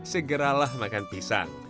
segeralah makan pisang